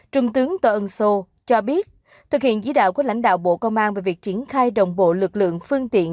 trung tướng tô ân sô cho biết thực hiện dĩ đạo của lãnh đạo bộ công an về việc triển khai đồng bộ lực lượng phương tiện